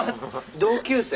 同級生？